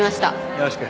よろしく。